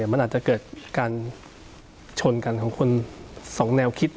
มันอาจจะเกิดการชนกันของคน๒แนวคิด